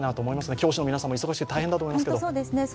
教師の皆さんも忙しくて大変だと思いますけど。